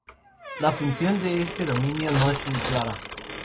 La función de este dominio no es muy clara.